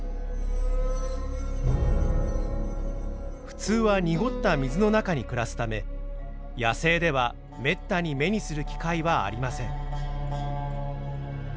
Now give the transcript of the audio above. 普通は濁った水の中に暮らすため野生ではめったに目にする機会はありません。